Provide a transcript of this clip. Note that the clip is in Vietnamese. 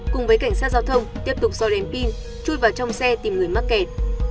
cùng với cảnh sát giao thông tiếp tục so đèn pin chui vào trong xe tìm người mắc kẹt